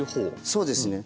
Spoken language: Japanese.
そうですね。